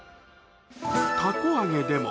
たこ揚げでも。